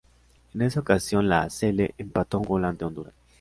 En esa ocasión la "Sele" empató a un gol ante Honduras.